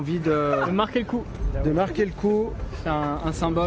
kita ingin menarik tangan